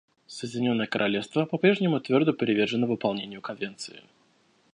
Соединенное Королевство по-прежнему твердо привержено выполнению Конвенции.